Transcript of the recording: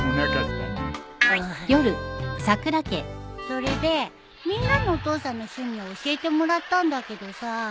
それでみんなのお父さんの趣味を教えてもらったんだけどさ。